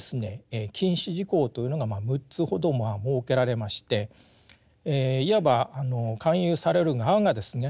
禁止事項というのが６つほど設けられましていわば勧誘される側がですね